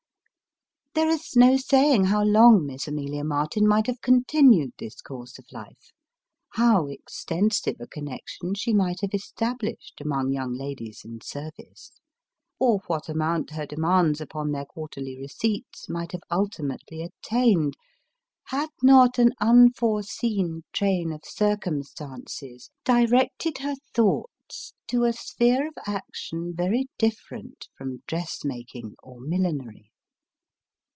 There is no saying how long Miss Amelia Martin might have con tinued this course of life ; how extensive a connection she might have established among young ladies in service ; or what amount her demands upon their quarterly receipts might have ultimately attained, had not an unforeseen train of circumstances directed her thoughts to a sphere of action very different from dressmaking or millinery.